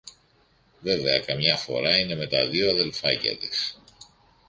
Βέβαια καμιά φορά είναι με τα δυο αδελφάκια της